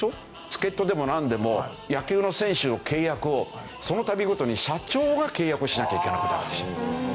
助っ人でもなんでも野球の選手の契約をその度ごとに社長が契約をしなきゃいけなくなるでしょ。